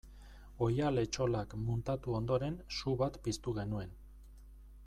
Oihal-etxolak muntatu ondoren su bat piztu genuen.